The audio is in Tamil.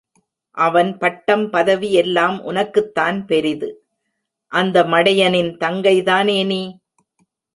அவன் பட்டம், பதவி எல்லாம் உனக்குத்தான் பெரிது......... அந்த மடை யனின் தங்கைதானே நீ.